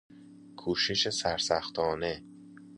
کوشش سرسختانه